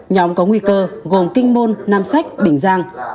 nhóm có nguy cơ gồm kinh môn nam sách bình giang